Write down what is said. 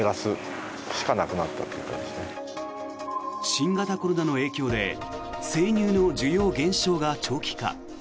新型コロナの影響で生乳の需要減少が長期化。